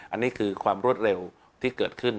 อันนี้คือความรวดเร็วที่เกิดขึ้น